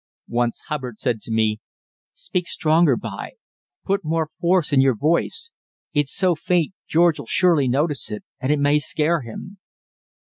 Once Hubbard said to me: "Speak stronger, b'y. Put more force in your voice. It's so faint George'll surely notice it, and it may scare him."